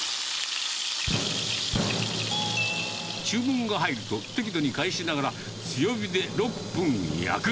注文が入ると、適度に返しながら、強火で６分焼く。